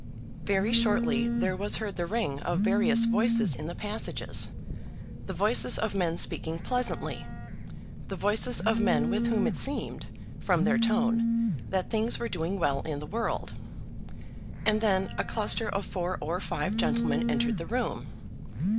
Very shortly there was heard the ring of various voices in the passages, the voices of men speaking pleasantly, the voices of men with whom it seemed, from their tone, that things were doing well in the world. And then a cluster of four or five gentlemen entered the room.